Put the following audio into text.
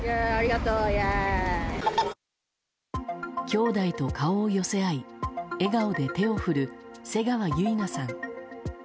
きょうだいと顔を寄せ合い笑顔で手を振る瀬川結菜さん。